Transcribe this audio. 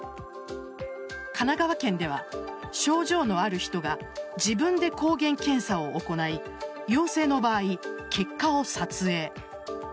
神奈川県では症状のある人が自分で抗原検査を行い陽性の場合、結果を撮影。